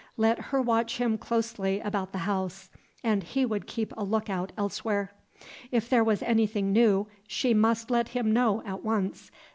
Let her watch him closely about the house, and he would keep a look out elsewhere. If there was anything new, she must let him know at once.